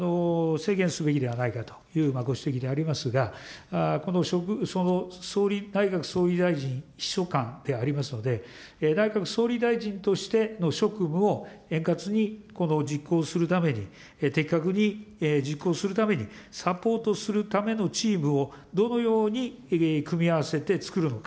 制限すべきではないかというご指摘でありますが、内閣総理大臣秘書官でありますので、内閣総理大臣としての職務を円滑に実行するために、的確に実行するために、サポートするためのチームをどのように組み合わせてつくるのか。